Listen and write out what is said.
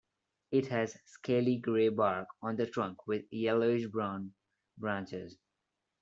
It has scaly grey bark on the trunk with yellowish-brown branches.